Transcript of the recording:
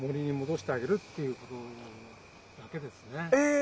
え